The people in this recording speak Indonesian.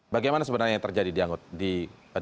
bagaimana sebenarnya yang terjadi di